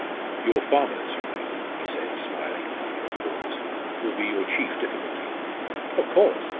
"Your farmers, you know," he said, smiling, after a pause, "will be your chief difficulty." "Of course!